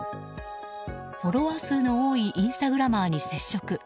フォロワー数の多いインスタグラマーに接触。